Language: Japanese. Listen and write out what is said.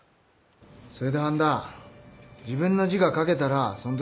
それで半田自分の字が書けたらそんときは。